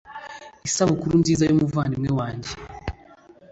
Isubukura nziza yumuvandimwe wanjye